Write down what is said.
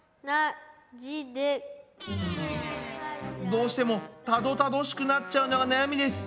どうしてもたどたどしくなっちゃうのが悩みです。